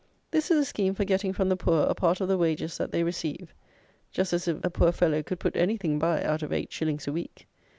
This is a scheme for getting from the poor a part of the wages that they receive. Just as if a poor fellow could put anything by out of eight shillings a week!